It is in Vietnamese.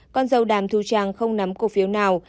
con dâu đàm thu trang không nắm cổ phiếu nào